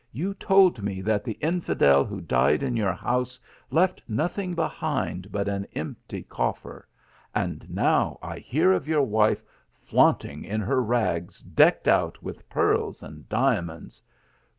" You told me that the infidel who died in your house left nothing behind but an empty coffer, and now I hear of your wife flaunting in her rags decked out with pearls and diamonds.